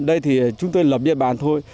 đây thì chúng tôi lập biên bản thôi